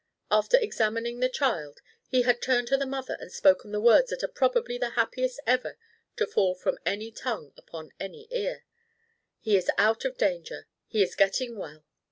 After examining the child, he had turned to the mother and spoken the words that are probably the happiest ever to fall from any tongue upon any ear: "He is out of danger. He is getting well."